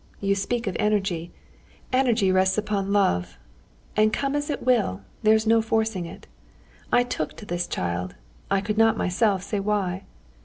You speak of energy. Energy rests upon love; and come as it will, there's no forcing it. I took to this child—I could not myself say why."